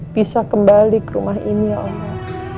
bisa kembali ke rumah ini ya allah